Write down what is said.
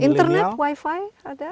internet wifi ada